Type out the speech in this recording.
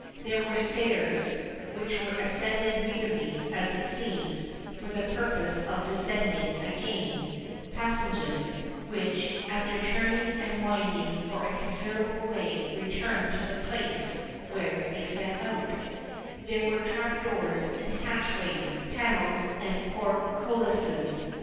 There were stairs, which were ascended merely, as it seemed, for the purpose of descending again—passages, which, after turning and winding for a considerable way, returned to the place where they set out—there were trapdoors and hatchways, panels and portcullises.